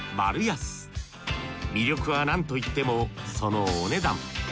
魅力はなんといってもそのお値段。